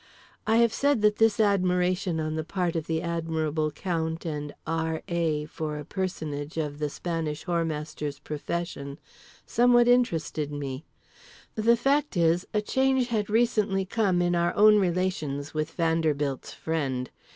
I have said that this admiration on the part of the admirable Count and R. A. for a personage of the Spanish Whoremaster's profession somewhat interested me. The fact is, a change had recently come in our own relations with Vanderbilt's friend.